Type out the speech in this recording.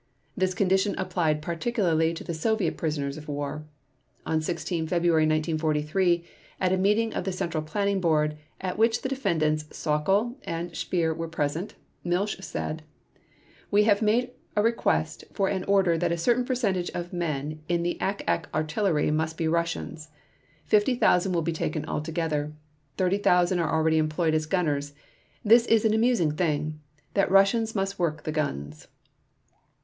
This condition applied particularly to the Soviet prisoners of war. On 16 February 1943, at a meeting of the Central Planning Board, at which the Defendants Sauckel and Speer were present, Milch said: "We have made a request for an order that a certain percentage of men in the Ack Ack artillery must be Russians; 50,000 will be taken altogether. Thirty thousand are already employed as gunners. This is an amusing thing, that Russians must work the guns."